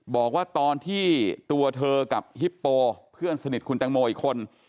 บอกว่าตอนที่ตัวเธอกับฮิปโปเพื่อนสนิทคุณแตงโมอีกคน